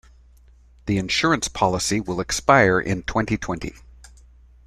The insurance policy will expire in twenty-twenty.